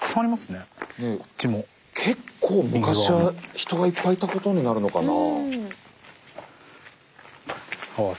結構昔は人がいっぱいいたことになるのかな。